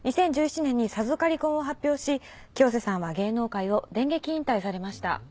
２０１７年に授かり婚を発表し清瀬さんは芸能界を電撃引退されました。